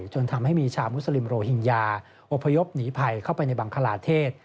จนทำให้มีชาวมุสลิมโรฮิงญาอพยพหนีภัยเข้าไปในบังคลาเทศ